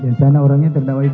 yang sana orangnya terdakwa itu